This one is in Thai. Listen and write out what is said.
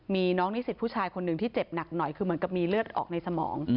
มีน้องนิสิตผู้ชายคนหนึ่งที่เจ็บหนักหน่อยคือเหมือนกับมีเลือดออกในสมอง